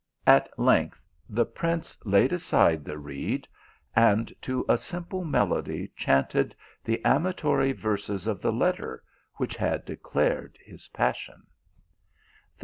At length the prince laid aside the reed, and, to a simple melody, chanted the amatory verses of the letter which had declared his passion.